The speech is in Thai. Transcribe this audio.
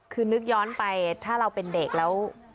คือนึกย้อนไปถ้าเราเป็นเด็กแล้ว